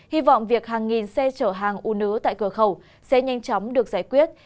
hy vọng việc hàng nghìn xe chở hàng u nứ tại cửa khẩu sẽ nhanh chóng được giải quyết